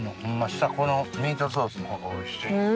下このミートソースの方がおいしい。